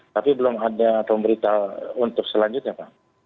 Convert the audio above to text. tapi belum ada pemberitaan untuk selanjutnya pak